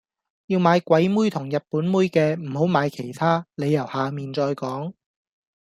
要買鬼妹同日本妹嘅，唔好買其他，理由下面再講。